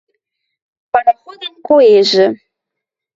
Пароходын коэжӹ